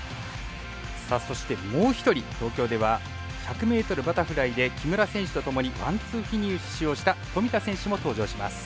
さあそしてもう一人東京では１００ｍバタフライで木村選手とともにワンツーフィニッシュをした富田選手も登場します。